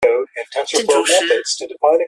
建築師